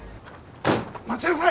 待ちなさい！